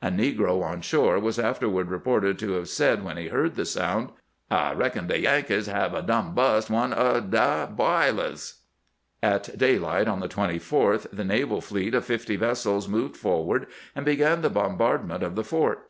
A negro on shore was afterward reported to have said when he heard the sound :" I reckon de Yan kees hab done bu'st one ob dah b'ilers." At daylight on the 24th the naval fleet of fifty vessels moved forward and began the bombardment of the fort.